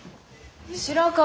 白川